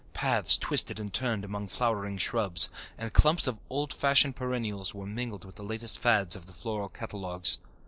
Paths twisted and turned among flowering shrubs, and clumps of old fashioned perennials were mingled with the latest fads of the floral catalogues.